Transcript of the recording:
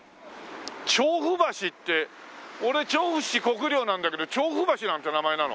「調布橋」って俺調布市国領なんだけど調布橋なんて名前なの？